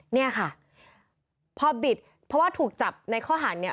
เนี่ยค่ะพอบิดเพราะว่าถูกจับในข้อหารเนี่ย